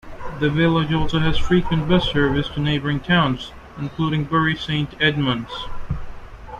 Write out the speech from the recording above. The village also has frequent bus service to neighbouring towns, including Bury Saint Edmunds.